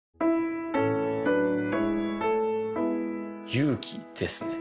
勇気ですね